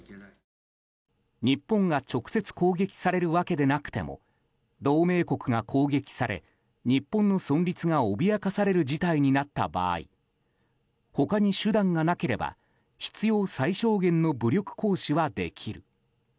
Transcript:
日本が直接攻撃されるわけでなくても同盟国が攻撃され、日本の存立が脅かされる事態になった場合他に手段がなければ必要最小限の武力行使はできる。